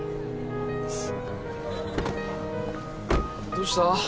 どうした？